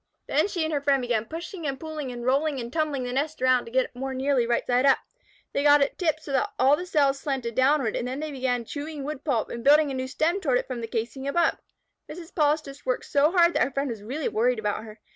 Then she and her friend began pushing and pulling and rolling and tumbling the nest around to get it more nearly right side up. They got it tipped so that all the cells slanted downward, and then they began chewing wood pulp and building a new stem toward it from the casing above. Mrs. Polistes worked so hard that her friend was really worried about her.